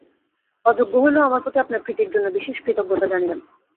অযোগ্য হইলেও আমার প্রতি আপনার প্রীতির জন্য বিশেষ কৃতজ্ঞতা জানিবেন।